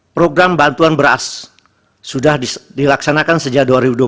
program bantuan beras sudah dilaksanakan sejak dua ribu dua puluh